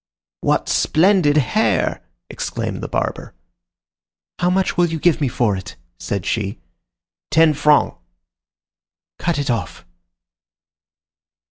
"What splendid hair!" exclaimed the barber. "How much will you give me for it?" said she. "Ten francs." "Cut it off."